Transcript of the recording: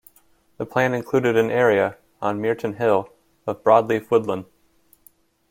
The plan included an area, on Myreton Hill, of broadleaf woodland.